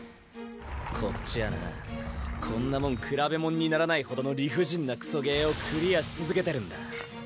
こっちはなこんなもん比べ物にならないほどの理不尽なクソゲーをクリアし続けてるんだ。